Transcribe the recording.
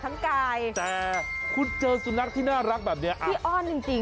แต่คุณเจอสุนัขที่น่ารักแบบนี้